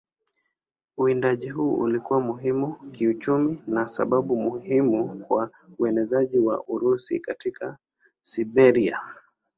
Uwindaji huu ulikuwa muhimu kiuchumi na sababu muhimu kwa uenezaji wa Urusi katika Siberia.